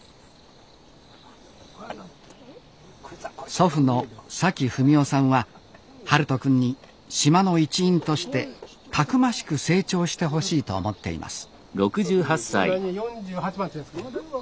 祖父の崎文夫さんは陽翔くんに島の一員としてたくましく成長してほしいと思っています